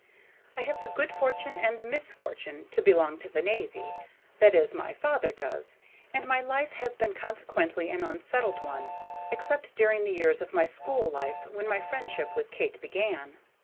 I have the good fortune and the misfortune to belong to the navy, that is, my father does, and my life has been consequently an unsettled one, except during the years of my school life, when my friendship with Kate began.